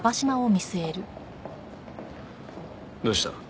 どうした？